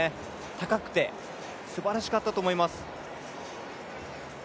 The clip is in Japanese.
高くて、すばらしかったと思います。